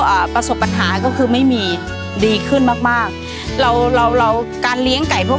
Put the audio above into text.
อ่าประสบปัญหาก็คือไม่มีดีขึ้นมากมากมากเราเราเราการเลี้ยงไก่พวก